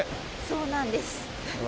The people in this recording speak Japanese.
そうなんです。